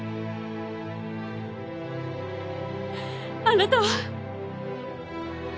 あなたは。